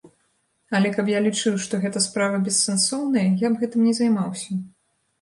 Але каб я лічыў, што гэта справа бессэнсоўная, я б гэтым не займаўся.